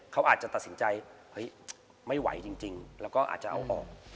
เขาอาจจะตัดสินใจเฮ้ยไม่ไหวจริงแล้วก็อาจจะเอาออก